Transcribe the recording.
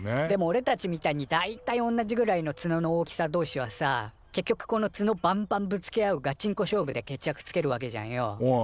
でもおれたちみたいに大体おんなじぐらいのツノの大きさ同士はさ結局このツノバンバンぶつけ合うガチンコ勝負で決着つけるわけじゃんよ。